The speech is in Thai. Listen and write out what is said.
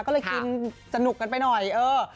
ก็เลยกินสนุกกันไปหน่อยเออ